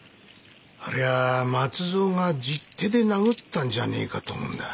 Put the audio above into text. ありゃ松蔵が十手で殴ったんじゃねえかと思うんだ。